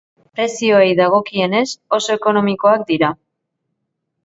Prezioei dagokienez, oso ekonomikoak dira.